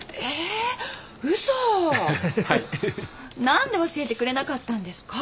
何で教えてくれなかったんですか？